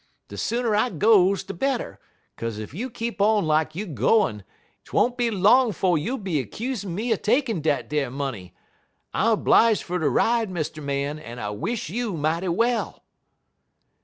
De sooner I goes de better, 'kaze ef you keep on lak you gwine, 't won't be long 'fo' you'll be excusin' me er takin' dat ar money. I'm 'blige' fer de ride, Mr. Man, en I wish you mighty well.'